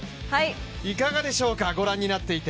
いかがでしょうか、ご覧になっていて。